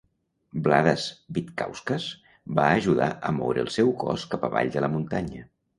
Vladas Vitkauskas va ajudar a moure el seu cos cap avall de la muntanya.